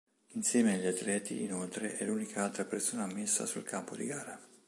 Assieme agli atleti, inoltre, è l'unica altra persona ammessa sul campo di gara.